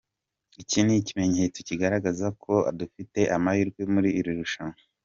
Iki ni ikimenyetso kigaragaza ko dufite amahirwe muri iri rushanwa.